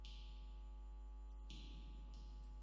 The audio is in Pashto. د خوست په صبریو کې د سمنټو مواد شته.